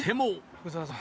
福澤さん。